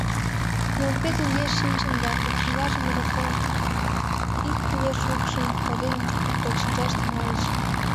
Нӧлпӧ тӱҥеш шинчыч да, укшлажым эрыктен, ик кӱлеш укшым коден локшинчаш тӱҥальыч.